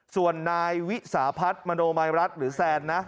ส่วนนายวิสาพัฒน์มโนมัยรัฐหรือแซนนะ